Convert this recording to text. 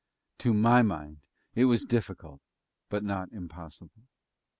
To my mind it was difficult but not impossible.